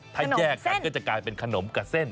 ถ้าแยกกันก็จะกลายเป็นขนมกับเส้น